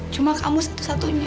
cuma kamu satu satunya